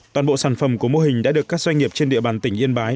toàn bộ sản phẩm của mô hình đã được các doanh nghiệp trên địa bàn tỉnh yên bái